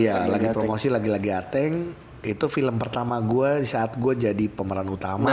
iya lagi promosi lagi lagi atheng itu film pertama gue saat gue jadi pemeran utama